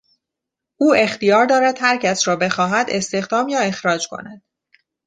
او اختیار دارد هرکس را بخواهد استخدام یا اخراج کند.